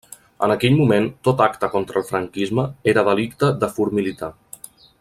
En aquell moment, tot acte contra el franquisme era delicte de fur militar.